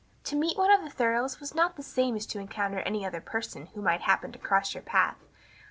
To meet one of the Thoreaus was not the same as to encounter any other person who might happen to cross your path.